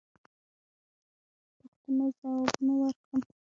پوښتنو جوابونه ورکړم.